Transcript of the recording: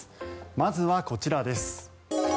まずはこちらです。